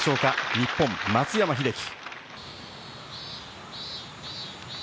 日本・松山英樹。